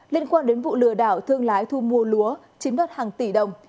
liên quan đến vụ lừa đảo thương lái thu mua lúa chiếm đất hàng tỷ đồng